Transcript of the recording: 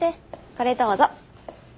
これどうぞ。